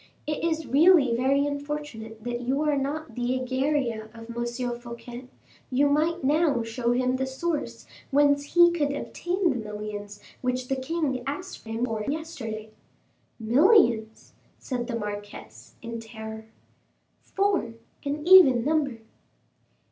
It is really very unfortunate that you are not the Egeria of M. Fouquet; you might now show him the source whence he could obtain the millions which the king asked him for yesterday." "Millions!" said the marquise, in terror. "Four an even number."